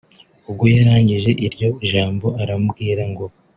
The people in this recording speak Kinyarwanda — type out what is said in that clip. ubwo yarangije iryo jambo arambwira ngo